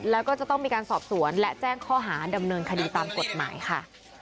แล้วก็จะต้องมีการสอบสวนและแจ้งข้อหาดำเนินคดีตามกฎหมายค่ะ